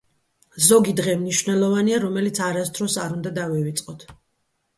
ზოგი დღე მნიშვნელოვანია რომელიც არასდროს არ უნდა დავივიწყოთ